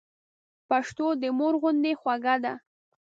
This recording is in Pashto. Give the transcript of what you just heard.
پښتو د مور غوندي خوږه ده.